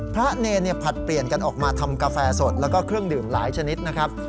พระเนรผลัดเปลี่ยนกันออกมาทำกาแฟสดแล้วก็เครื่องดื่มหลายชนิดนะครับ